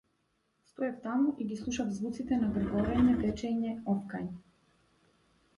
Стоев таму и ги слушав звуците на гргорење, течење, офкање.